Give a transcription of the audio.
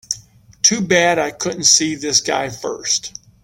Too bad I couldn't see this guy first.